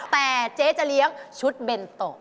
แต่เจ๊จะเลี้ยงชุดเบนโต